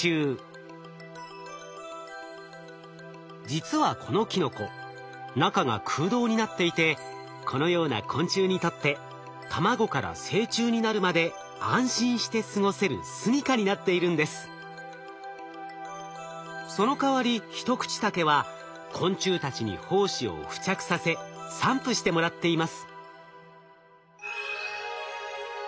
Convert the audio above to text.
実はこのキノコ中が空洞になっていてこのような昆虫にとって卵から成虫になるまでそのかわりヒトクチタケは昆虫たちに胞子を付着させ散布してもらっています。